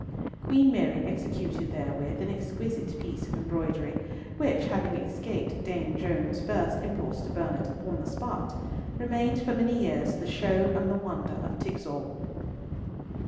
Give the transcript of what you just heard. Queen Mary executed therewith an exquisite piece of embroidery, which having escaped Dame Joan's first impulse to burn it on the spot, remained for many years the show and the wonder of Tixall.